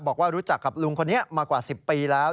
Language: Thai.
บอกว่ารู้จักกับลุงคนนี้มากว่า๑๐ปีแล้ว